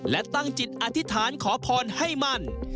และตั้งจิตอธิษฐานขอพรให้มั่น